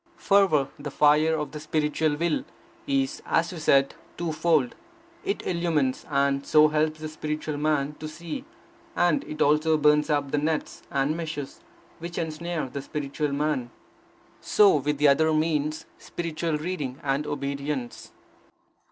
Fervour, the fire of the spiritual will, is, as we said, two fold: it illumines, and so helps the spiritual man to see; and it also burns up the nets and meshes which ensnare the spiritual man. So with the other means, spiritual reading and obedience.